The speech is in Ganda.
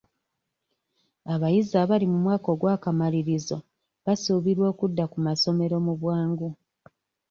Abayizi abali mu mwaka ogw'akamalirizo basuubirwa okudda ku masomero mu bwangu.